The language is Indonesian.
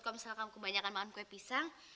kalau misalkan kebanyakan makan kue pisang